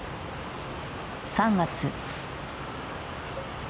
３月。